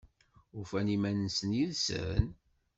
Ufan iman-nsen yid-sen?